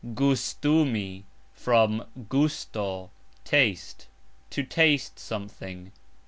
gustumi (" "gusto", taste), to taste (something).